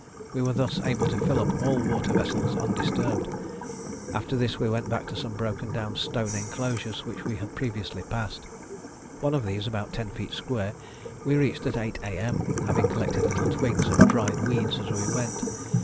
We were thus able to fill up all water vessels undisturbed. After this we went back to some broken down stone enclosures which we had previously passed. One of these, about ten feet square, we reached at 8 A.M., having collected little twigs and dried weeds as we went.